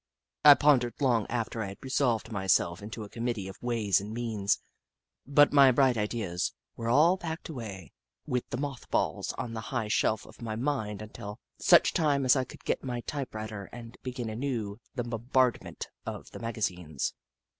I pondered long after I had resolved myself into a committee of ways and means, but my bright ideas were all packed away with 44 The Book of Clever Beasts moth balls on the high shelf of my mind until such time as I could get to my typewriter and begin anew the bombardment of the magazines.